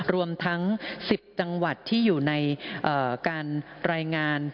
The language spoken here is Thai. รวมทั้ง๑๐จังหวัดที่อยู่ในการรายงาน